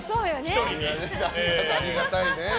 ありがたいね。